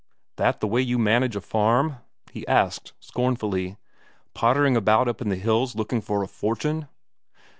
"That the way you manage a farm," he asked scornfully, "pottering about up in the hills looking for a fortune?"